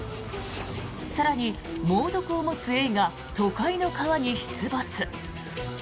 更に、猛毒を持つエイが都会の川に出没。